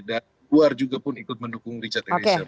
dan keluar juga pun ikut mendukung richard eliezer